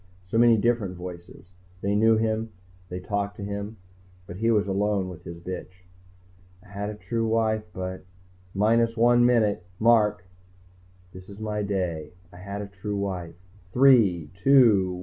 So many different voices. They knew him, they talked to him. But he was alone with his bitch. _I had a true wife but _"... minus one minute ... mark!" _This is my day I had a true wife _"... three ... two